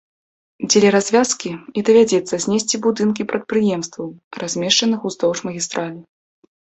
Дзеля развязкі і давядзецца знесці будынкі прадпрыемстваў, размешчаных уздоўж магістралі.